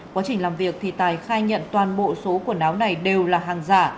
quá trình làm việc thì tài khai nhận toàn bộ số quần áo này đều là hàng giả